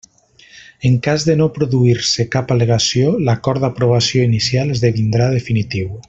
En cas de no produir-se cap al·legació l'acord d'aprovació inicial esdevindrà definitiu.